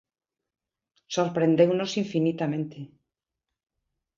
Sorprendeunos infinitamente.